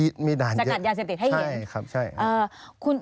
สกัดยาเสพติดให้เห็น